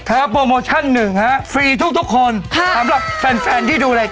ถ้าโปรโมชั่นหนึ่งฟรีทุกคน